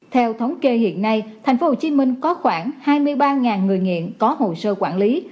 theo thống kê hiện nay thành phố hồ chí minh có khoảng hai mươi ba người nghiện có hồ sơ quản lý